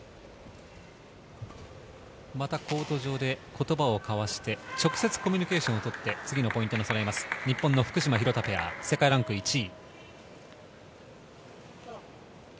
またコート上で言葉を交わして、直接コミュニケーションをとって、次のポイントにつなげます、日本の福島・廣田ペア、世界ランキング１位。